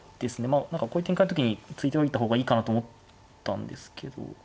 まあ何かこういう展開の時に突いておいた方がいいかなと思ったんですけど。